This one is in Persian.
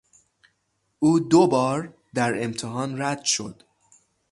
او دوبار در امتحان رد شد.